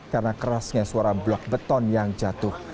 karena kerasnya suara blok beton yang jatuh